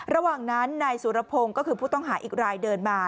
ระหว่างนั้นนายสุรพงศ์ก็คือผู้ต้องหาอีกรายเดินมา